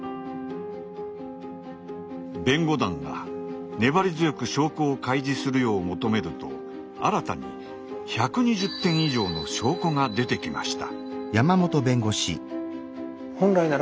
弁護団が粘り強く証拠を開示するよう求めると新たに１２０点以上の証拠が出てきました。